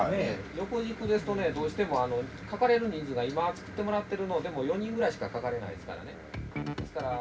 横軸ですとねどうしてもあのかかれる人数が今作ってもらってるのでも４人ぐらいしかかかれないですからね。